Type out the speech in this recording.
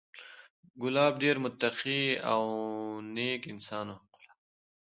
کلاب ډېر متقي او نېک انسان و،